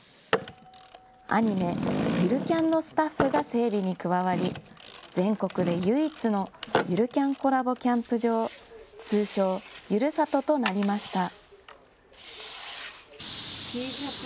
アニメ、ゆるキャン△のスタッフが整備に加わり全国で唯一のゆるキャン△コラボキャンプ場、通称、ゆる里となりました。